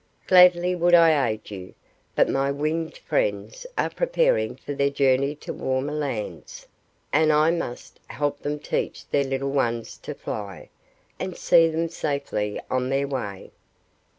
Gladly would I aid you; but my winged friends are preparing for their journey to warmer lands, and I must help them teach their little ones to fly, and see them safely on their way.